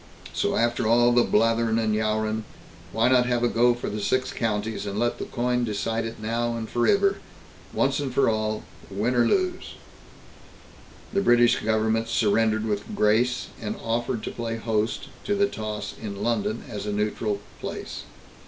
So after all the blatherin' and yowrin', why not have a go for the Six Counties, and let the coin decide it now and foriver, once and for all, win or lose?" The British Government surrendered with grace, and offered to play host to the toss in London, as a neutral place.